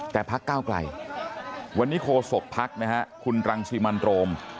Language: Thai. แต่พักก้าวไกลวันนี้โคศกภักดิ์นะฮะคุณรังสิมันโรม